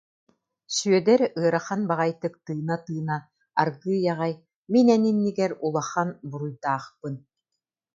Сүідэр ыарахан баҕайытык тыына-тыына аргыый аҕай: «Мин эн иннигэр улахан буруйдаахпын